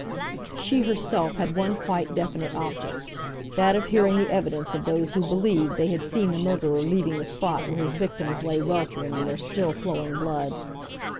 She herself had one quite definite object—that of hearing the evidence of those who believed they had seen the murderer leaving the spot where his victims lay weltering in their still flowing blood.